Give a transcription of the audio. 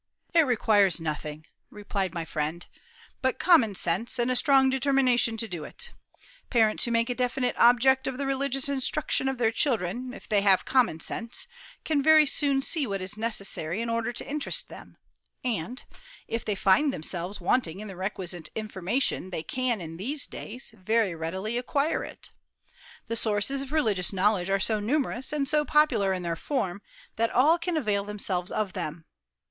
"It requires nothing," replied my friend, "but common sense, and a strong determination to do it. Parents who make a definite object of the religious instruction of their children, if they have common sense, can very soon see what is necessary in order to interest them; and, if they find themselves wanting in the requisite information, they can, in these days, very readily acquire it. The sources of religious knowledge are so numerous, and so popular in their form, that all can avail themselves of them.